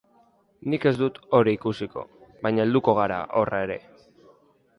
Nik ez dut hori ikusiko, baina helduko gara horra ere.